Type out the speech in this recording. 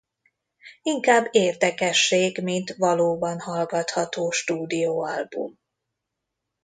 Inkább érdekesség mint valóban hallgatható stúdióalbum.